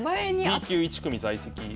Ｂ級１組在籍。